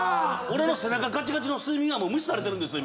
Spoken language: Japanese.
俺の背中ガチガチの睡眠はもう無視されてるんです。